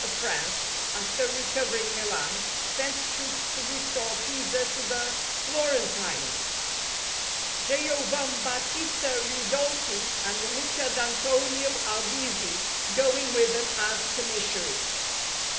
of France, after recovering Milan, sent troops to restore Pisa to the Florentines, Giovambattista Ridolfi and Luca d'Antonio Albizzi going with them as commissaries.